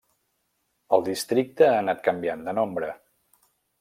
El districte ha anat canviant de nombre.